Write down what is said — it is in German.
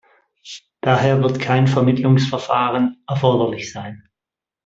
Daher wird kein Vermittlungsverfahren erforderlich sein.